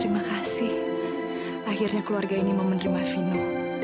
makasih ya udah sudah sadar kamu